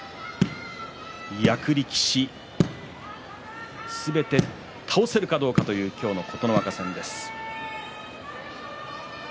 役力士、すべて倒せるかどうかという今日の琴ノ若戦です。